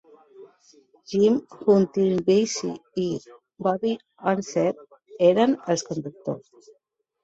Jim Hurtubise i Bobby Unser eren els conductors.